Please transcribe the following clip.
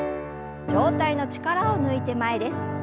上体の力を抜いて前です。